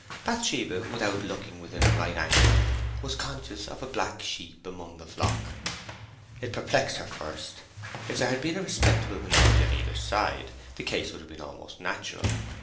Bathsheba, without looking within a right angle of him, was conscious of a black sheep among the flock. It perplexed her first. If there had been a respectable minority on either side, the case would have been most natural.